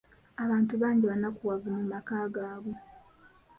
Abantu bangi bannakuwavu mu maka gaabwe